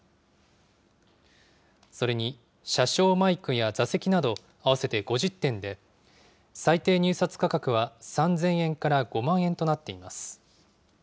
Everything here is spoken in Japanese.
それに車掌マイクや座席など合わせて５０点で、最低入札価格は３０００円から５万円となっています。